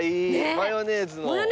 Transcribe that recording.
マヨネーズの。